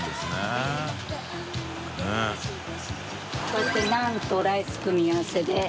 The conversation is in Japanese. こうやってナンとライス組み合わせで。